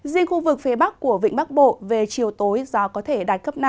riêng khu vực phía bắc của vịnh bắc bộ về chiều tối gió có thể đạt cấp năm